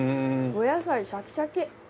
お野菜シャキシャキ。